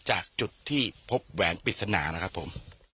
จากจุดที่พบแหวนปริศนานะครับผม